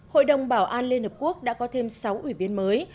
hội đồng bảo an liên hợp quốc đã có thêm sáu ủy viên mới